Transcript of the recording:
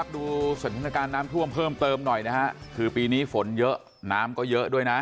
ดูสถานการณ์น้ำท่วมเพิ่มเติมหน่อยนะฮะคือปีนี้ฝนเยอะน้ำก็เยอะด้วยนะ